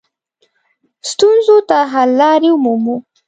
ستونزو ته حل لارې ومومو.